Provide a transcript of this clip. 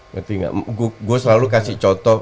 ngerti nggak saya selalu kasih contoh